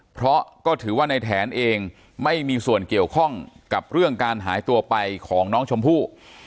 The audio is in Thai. เพราะก็ถือว่าในแถนเองไม่มีส่วนเกี่ยวข้องกับเรื่องการหายตัวไปของน้องชมพู่